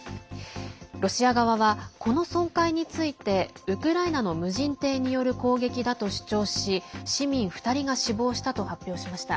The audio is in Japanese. ロシア側は、この損壊についてウクライナの無人艇による攻撃だと主張し市民２人が死亡したと発表しました。